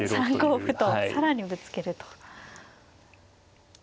３五歩と更にぶつけると。